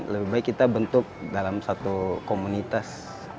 lebih baik kita bentuk dalam satu komunitas